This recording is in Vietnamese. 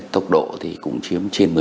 tốc độ thì cũng chiếm trên một mươi